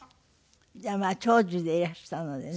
まあ長寿でいらしたのでね。